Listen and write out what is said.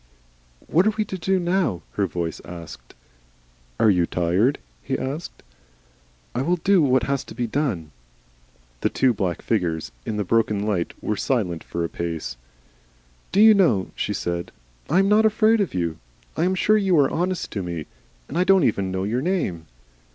"What are we to do now?" her voice asked. "Are you tired?" he asked. "I will do what has to be done." The two black figures in the broken light were silent for a space. "Do you know," she said, "I am not afraid of you. I am sure you are honest to me. And I do not even know your name!"